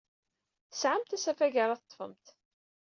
Tesɛamt asafag ara teḍḍfemt.